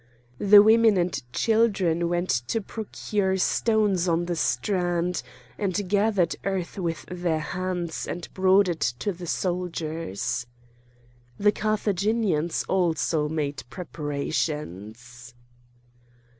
The women and children went to procure stones on the strand, and gathered earth with their hands and brought it to the soldiers. The Carthaginians also made preparations.